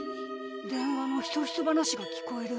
電話のひそひそ話が聞こえる。